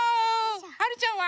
はるちゃんは？